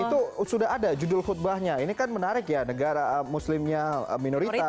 itu sudah ada judul khutbahnya ini kan menarik ya negara muslimnya minoritas